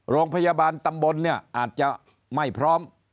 โรงพยาบาลตำบลเนี่ยอาจจะไม่พร้อม